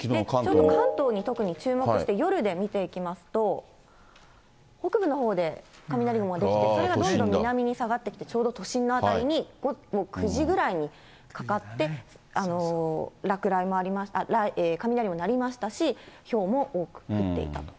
ちょっと関東に特に注目して、夜で見ていきますと、北部のほうで雷雲が出来て、それがどんどん南に下がってきて、ちょうど都心の辺りに、９時ぐらいにかかって、落雷もありました、雷も鳴りましたし、ひょうも多く降っていたと。